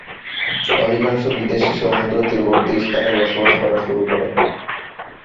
অধিকাংশ বিদেশি সমুদ্র তীরবর্তী স্থানে বসবাস করা শুরু করে।